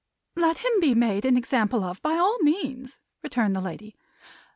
"Let him be made an example of, by all means," returned the lady.